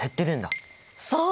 そう！